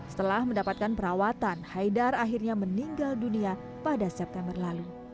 setelah mendapatkan perawatan haidar akhirnya meninggal dunia pada september lalu